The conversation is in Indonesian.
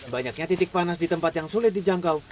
banyaknya titik panas di tempat yang sulit dijangkau